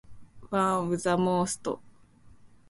One of the most innovative features of Pirates!